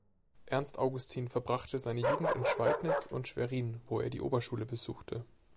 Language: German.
Ernst Augustin verbrachte seine Jugend in Schweidnitz und Schwerin, wo er die Oberschule besuchte.